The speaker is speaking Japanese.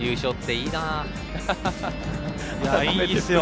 いいですよ！